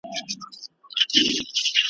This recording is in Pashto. له خولې ووتله زرکه ناببره .